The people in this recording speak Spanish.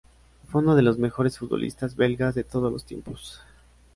Fue uno de los mejores futbolistas belgas de todos los tiempos.